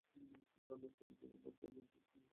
সত্বর আমি একটি যুদ্ধে যাব এবং সেখান থেকে কিছু সম্পদ পাব।